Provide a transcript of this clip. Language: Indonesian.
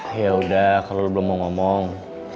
ya udah kalo lo belum mau ngomong